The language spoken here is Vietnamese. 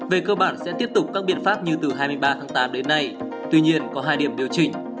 về cơ bản sẽ tiếp tục các biện pháp như từ hai mươi ba tháng tám đến nay tuy nhiên có hai điểm điều chỉnh